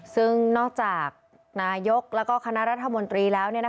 ซึ่งนอกจากนายกแล้วก็คณะรัฐมนตรีแล้ว